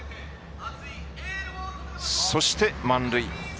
そして満塁。